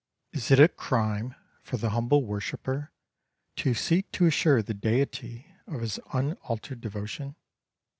Is it a crime for the humble worshipper to seek to assure the deity of his unaltered devotion?